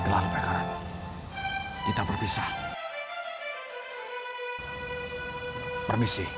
dan aku harap